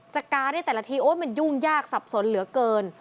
การให้แต่ละทีโอ๊ยมันยุ่งยากสับสนเหลือเกิน